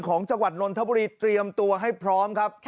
ของจังหวัดนนทบุรีเตรียมตัวให้พร้อมครับ